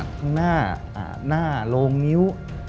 ข้างหน้าลงนิ้ว